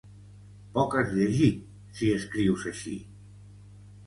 Poc has llegit, si escrius així.